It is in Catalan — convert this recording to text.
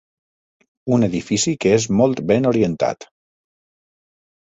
Un edifici que és molt ben orientat.